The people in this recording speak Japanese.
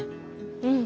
うん。